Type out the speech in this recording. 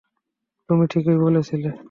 তুমি ঠিকই বলেছিলে!